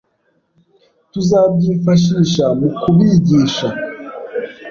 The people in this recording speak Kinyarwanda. Tuzabyifashisha mu kubigisha.